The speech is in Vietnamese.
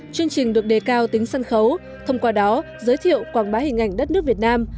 chương trình được đề cao tính sân khấu thông qua đó giới thiệu quảng bá hình ảnh đất nước việt nam